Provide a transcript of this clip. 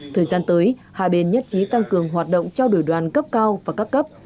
thời gian tới hạ bền nhất trí tăng cường hoạt động trao đổi đoàn cấp cao và cấp cấp